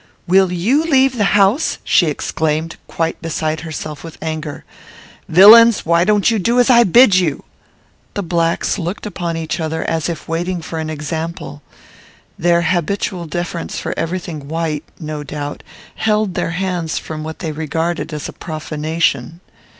"Will you leave the house?" she exclaimed, quite beside herself with anger. "Villains! why don't you do as I bid you?" The blacks looked upon each other, as if waiting for an example. Their habitual deference for every thing white, no doubt, held their hands from what they regarded as a profanation.